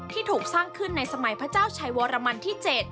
ถูกสร้างขึ้นในสมัยพระเจ้าชัยวรมันที่๗